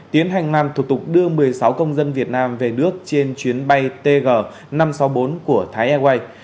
tiến hành làm thủ tục đưa một mươi sáu công dân việt nam về nước trên chuyến bay tg năm trăm sáu mươi bốn của thái airways